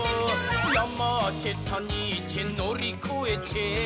「ヤマーチェたにーちぇのりこえちぇ」